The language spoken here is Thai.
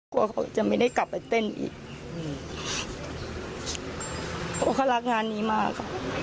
กลัวเขาจะไม่ได้กลับไปเต้นอีกอืมเพราะเขารักงานนี้มากค่ะ